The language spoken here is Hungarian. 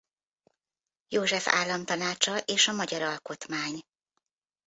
József államtanácsa és a magyar alkotmány.